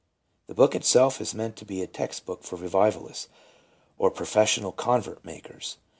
The book itself is meant to be a text book for Revivalists, or professional convert makers.